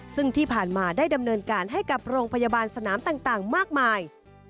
ซึ่งที่ผ่านมาได้ดำเนินการให้กับโรงพยาบาลสนามต่างมากมาย